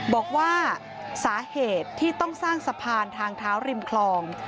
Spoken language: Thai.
บอกว่าสาเหตุที่ต้องสร้างสะพานทางเท้าริมคลอง